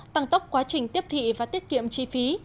tăng tốc quá trình tiếp thị và tiết kiệm chi phí